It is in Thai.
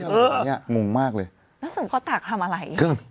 อื้อมุมมากเลยแล้วส่วนข้อตากทำอะไร